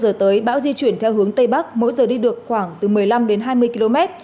trong hai mươi bốn h tối nay bão di chuyển theo hướng tây bắc mỗi giờ đi được khoảng một mươi năm đến hai mươi km